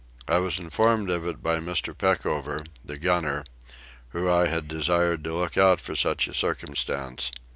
I was informed of it by Mr. Peckover, the gunner, who I had desired to look out for such a circumstance.